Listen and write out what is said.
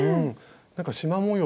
なんかしま模様